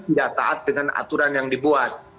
tidak taat dengan aturan yang dibuat